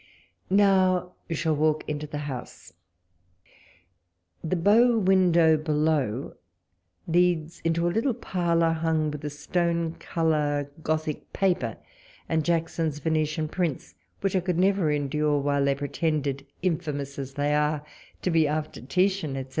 Now you shall walk into the house. The bow window below leads into a little parlour hung with a stone colour Gothic paper and Jackson's Venetian prints, which I could never endure while they pretended, infamous as they are, to be after Titian, etc.